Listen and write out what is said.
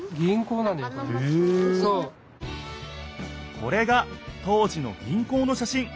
これが当時の銀行のしゃしん。